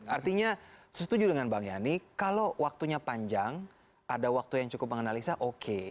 artinya setuju dengan bang yani kalau waktunya panjang ada waktu yang cukup menganalisa oke